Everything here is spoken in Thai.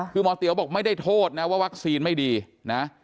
คือหมอเตี๋ยวบอกไม่ได้โทษนะว่าวัคซีนไม่ดีนะ